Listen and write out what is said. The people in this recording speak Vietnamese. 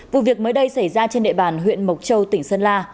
vụ việc mới đây xảy ra trên địa bàn huyện mộc châu tỉnh sơn la